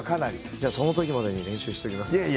じゃあそのときまでに練習しておきます。